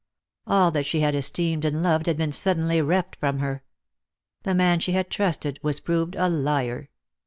All that she had esteemed and loved had been suddenly reft from her. The man she had trusted was proved a liar.